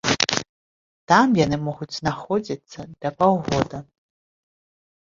Там яны могуць знаходзіцца да паўгода.